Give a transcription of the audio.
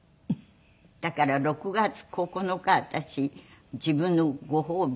だから６月９日私自分のご褒美だと思って。